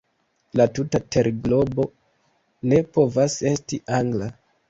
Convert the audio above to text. La tuta terglobo ne povas esti Angla.